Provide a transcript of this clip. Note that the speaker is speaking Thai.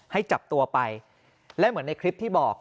ให้จับตัวไปและเหมือนในคลิปที่บอก